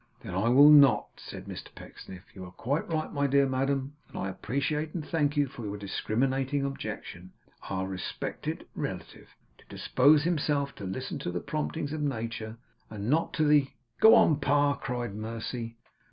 'Then I will not,' said Mr Pecksniff. 'You are quite right, my dear madam, and I appreciate and thank you for your discriminating objection our respected relative, to dispose himself to listen to the promptings of nature, and not to the ' 'Go on, Pa!' cried Mercy.